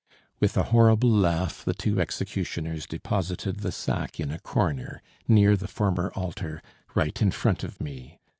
With a horrible laugh, the two executioners deposited the sack in a corner, near the former altar, right in front of me.